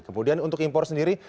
kemudian untuk impor sendiri